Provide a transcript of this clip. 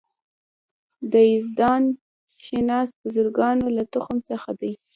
د یزدان شناس بزرګانو له تخم څخه دی.